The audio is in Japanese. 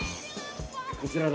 こちらだ。